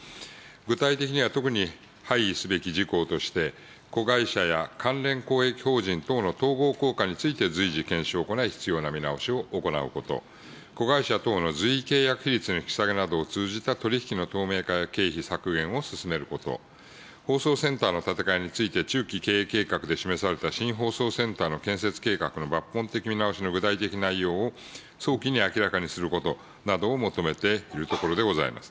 具体的には特に配意すべき事項として、子会社や関連公益法人等の統合効果について随時検証を行い、必要な見直しを行うこと、子会社等の随意契約比率の引き下げなどを通じた取り引きの透明化や経費削減を進めること、放送センターの建て替えについて、中期経営計画で示された新放送センターの建設計画の抜本的見直しの具体的内容を早期に明らかにすることなどを求めているところでございます。